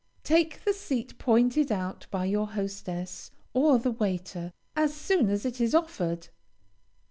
Take the seat pointed out by your hostess, or the waiter, as soon as it is offered.